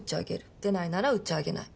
出ないなら打ち上げない。